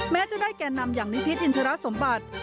แม้จะได้แก่นำอย่างนิพิษอินทรสมบัติ